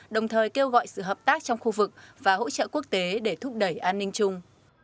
đồng thời kêu gọi sự hợp tác trong khu vực và hỗ trợ quốc tế để thúc đẩy an ninh chung